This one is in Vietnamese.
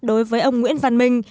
đối với ông nguyễn văn minh